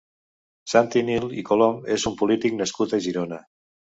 Santi Niell i Colom és un polític nascut a Girona.